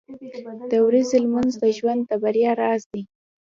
• د ورځې لمونځ د ژوند د بریا راز دی.